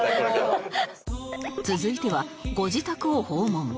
続いてはご自宅を訪問